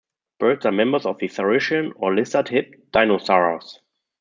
Birds are members of the saurischian, or "lizard-hipped", dinosaurs.